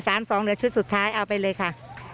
สองเหลือชุดสุดท้ายเอาไปเลยค่ะ